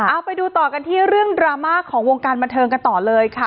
เอาไปดูต่อกันที่เรื่องดราม่าของวงการบันเทิงกันต่อเลยค่ะ